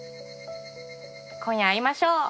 今夜会いましょう！